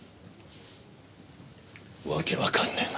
わけわかんねえな。